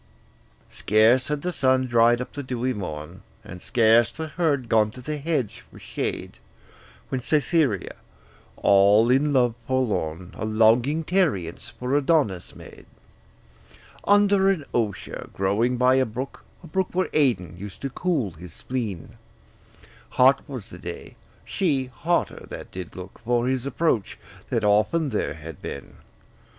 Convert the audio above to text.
Scarce had the sun dried up the dewy morn, And scarce the herd gone to the hedge for shade, When Cytherea, all in love forlorn, A longing tarriance for Adonis made Under an osier growing by a brook, A brook where Adon used to cool his spleen: Hot was the day; she hotter that did look For his approach, that often there had been.